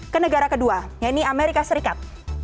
ke negara kedua ya ini amerika serikat